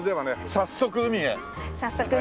早速海へ。